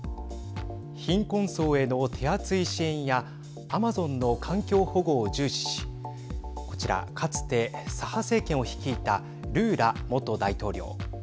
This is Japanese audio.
貧困層への手厚い支援やアマゾンの環境保護を重視しこちら、かつて左派政権を率いたルーラ元大統領。